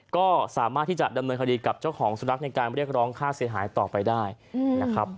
ก็สามารถที่จะดำเนินคดีกับเจ้าของสุนัข